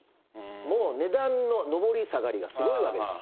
もう値段の上り下がりがすごいわけですよ。